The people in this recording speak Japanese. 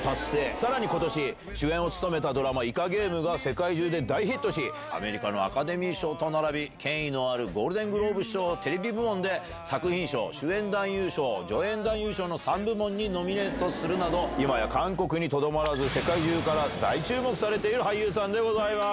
さらにことし、主演を務めたドラマ、イカゲームが世界中で大ヒットし、アメリカのアカデミー賞と並び権威のあるゴールデングローブ賞テレビ部門で、作品賞、主演男優賞、助演男優賞の３部門にノミネートするなど、今や韓国にとどまらず、世界中から大注目されている俳優さんでございます。